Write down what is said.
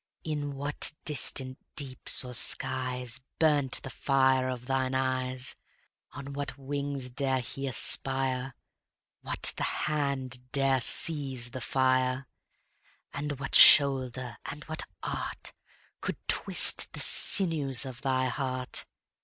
In what distant deeps or skies Burnt the fire of thine eyes? On what wings dare he aspire? What the hand dare seize the fire? And what shoulder and what art Could twist the sinews of thy heart?